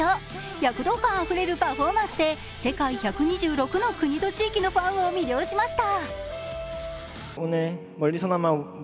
躍動感あふれるパフォーマンスで世界１２６の国と地域のファンを魅了しました。